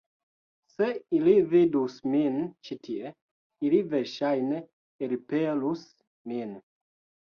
Se ili vidus min ĉi tie, ili verŝajne elpelus min.